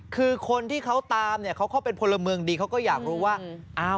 คือคนที่เขาตามเนี่ยเขาก็เป็นพลเมืองดีเขาก็อยากรู้ว่า